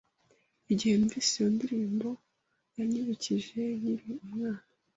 Igihe numvise iyo ndirimbo, yanyibukije nkiri umwana.